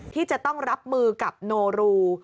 ที่จะต้องรับมือกับโนรู